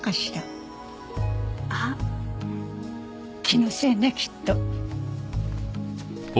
気のせいねきっと。